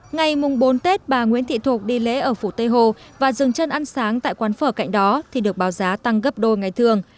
ngày bốn tết bà nguyễn thị thuộc đi lễ ở phủ tây hồ và dừng chân ăn sáng tại quán phở cạnh đó thì được báo giá tăng gấp đôi ngày thường